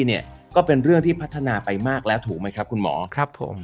เนี่ยก็เป็นเรื่องที่พัฒนาไปมากแล้วถูกไหมครับคุณหมอครับผม